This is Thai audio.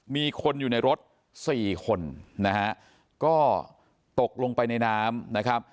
มีคนอยู่ในรถสี่คนนะฮะก็ตกลงไปในน้ำนะครับ